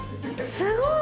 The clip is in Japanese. すごい！